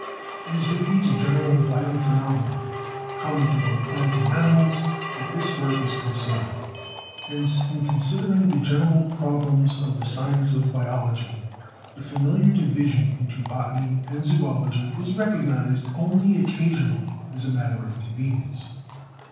It is with these general vital phenomena common to both plants and animals that this work is concerned, hence in considering the general problems of the science of biology the familiar division into botany and zoology is recognised only occasionally as a matter of convenience.